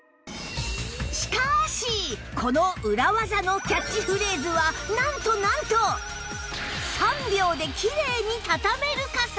この Ｕｒａｗａｚａ のキャッチフレーズはなんとなんと３秒でキレイにたためる傘